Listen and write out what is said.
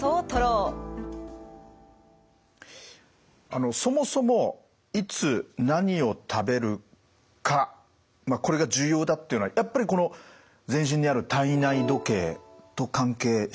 あのそもそもいつ何を食べるかこれが重要だっていうのはやっぱりこの全身にある体内時計と関係してますか？